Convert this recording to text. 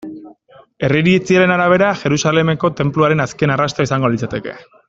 Herri iritziaren arabera, Jerusalemeko Tenpluaren azken arrastoa izango litzateke.